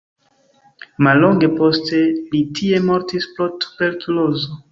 Mallonge poste li tie mortis pro tuberkulozo.